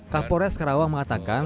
kak pores karawang mengatakan